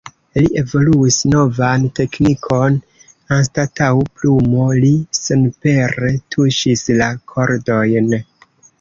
Li evoluis novan teknikon, anstataŭ plumo li senpere tuŝis la kordojn.